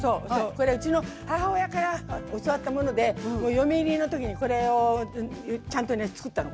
これうちの母親から教わったもので嫁入りの時にこれをちゃんとね作ったのこれ。